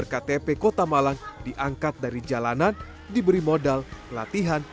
karena itu harus ada perlawanan